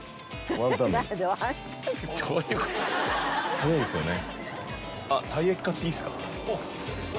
早いですよね。